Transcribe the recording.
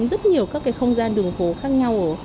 rất nhiều các cái không gian đường phố khác nhau